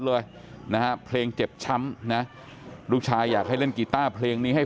เลยนะฮะเพลงเจ็บช้ำนะลูกชายอยากให้เล่นกีต้าเพลงนี้ให้